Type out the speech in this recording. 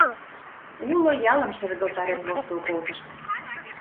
Уло ялым шергылтарен, воштыл колтышт.